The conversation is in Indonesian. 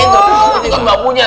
itu kan bambunya